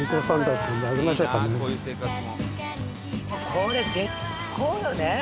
これ絶好よね